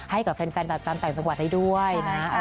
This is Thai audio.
ให้กับแฟนตามแต่งสังหวัดให้ด้วยนะ